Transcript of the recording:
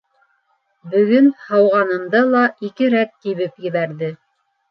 Бөгөн һауғанымда ла ике рәт тибеп ебәрҙе.